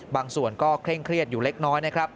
บางส่วนก็เคร่งเครียดอยู่เล็กน้อยนะครับ